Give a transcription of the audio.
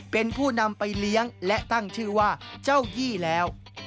เป็นผู้นำไปเลี้ยงและตั้งชื่อว่าเจ้ายี่แล้ว